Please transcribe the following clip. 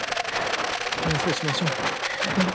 話をしましょうねぇ？